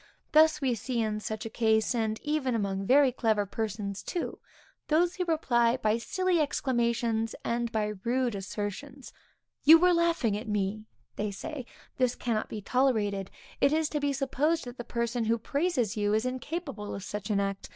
Thus we see, in such a case, and even among very clever persons too, those who reply by silly exclamations and by rude assertions. You were laughing at me, they say; this cannot be tolerated; it is to be supposed that the person who praises you is incapable of such an act.